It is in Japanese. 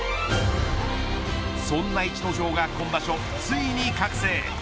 そんな逸ノ城が今場所、ついに覚醒。